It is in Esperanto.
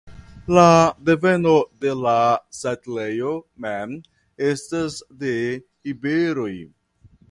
La deveno de la setlejo mem estas de iberoj.